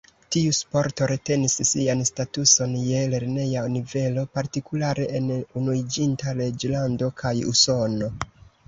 Tiu sporto retenis sian statuson je lerneja nivelo, partikulare en Unuiĝinta Reĝlando kaj Usono.